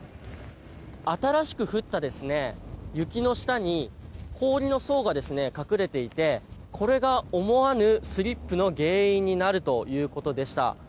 新しく降った雪の下に氷の層が隠れていてこれが思わぬスリップの原因になるということでした。